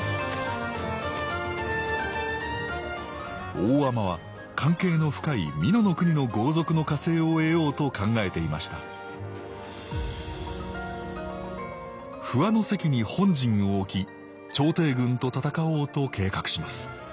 大海人は関係の深い美濃国の豪族の加勢を得ようと考えていました不破関に本陣を置き朝廷軍と戦おうと計画します。